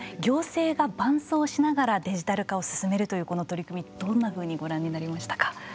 行政が伴走しながらデジタル化を進めるというこの取り組みどんなふうにご覧になりましたか？